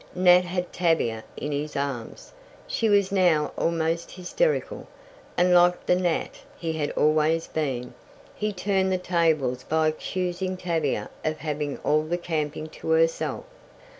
Nat had Tavia in his arms. She was now almost hysterical, and like the Nat he had always been, he turned the tables by accusing Tavia of having all the camping to herself.